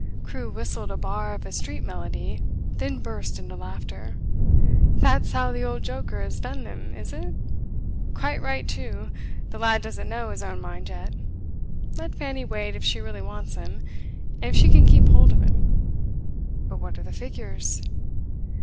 Crewe whistled a bar of a street melody, then burst into laughter. 'That's how the old joker has done them, is it? Quite right too. The lad doesn't know his own mind yet. Let Fanny wait if she really wants him and if she can keep hold of him. But what are the figures?